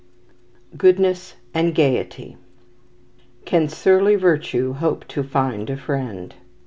Goodness and Gayety "Can surly Virtue hope to find a friend?"